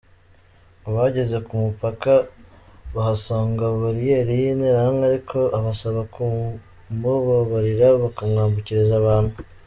Ngo bageze ku mupaka bahasanga bariyeri y’Interahamwe ariko abasaba kumubabarira bakamwambukiriza abantu.